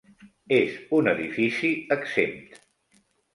És un edifici exempt.